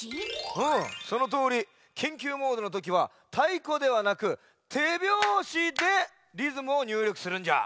うんそのとおりきんきゅうモードのときはたいこではなくてびょうしでリズムをにゅうりょくするんじゃ。